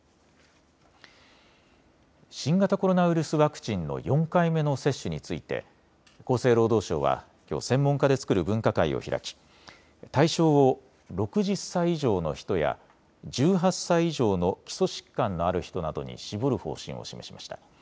新型コロナウイルスワクチンの４回目の接種について厚生労働省はきょう専門家で作る分科会を開き対象を６０歳以上の人や１８歳以上の基礎疾患のある人などに絞る方針を示しました。